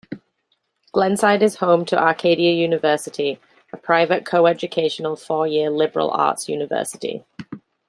Glenside is home to Arcadia University, a private co-educational four-year liberal arts university.